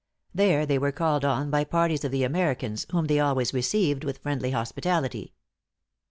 There they were called on by parties of the Americans, whom they always received with friendly hospitality.